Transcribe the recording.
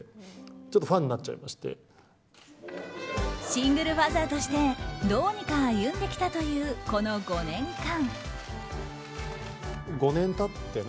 シングルファザーとしてどうにか歩んできたというこの５年間。